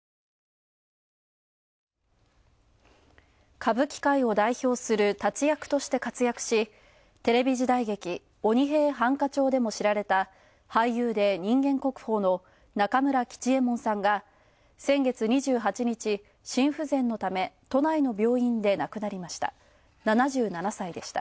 歌舞伎界を代表する立役として活躍しテレビ時代劇「鬼平犯科帳」でも知られた俳優で人間国宝の中村吉右衛門さんが、先月２８日、心不全のため、都内の病院で亡くなりました。